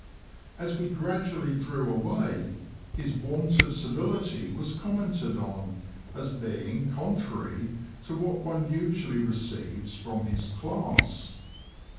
As we gradually drew away, hi& want of civility was commented on as being contrary to what one usually receives from his class.